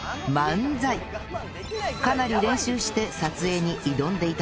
かなり練習して撮影に挑んでいたそうです